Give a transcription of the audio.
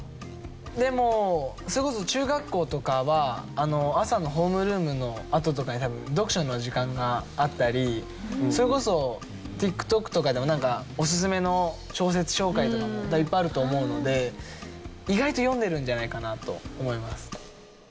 でもそれこそ中学校とかは朝のホームルームのあととかに多分読書の時間があったりそれこそＴｉｋＴｏｋとかでもなんかおすすめの小説紹介とかもいっぱいあると思うので意外と読んでるんじゃないかなと思います。